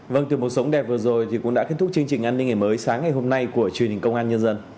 vâng từ một sống đẹp vừa rồi cũng đã kết thúc chương trình an ninh ngày mới sáng ngày hôm nay của truyền hình công an nhân dân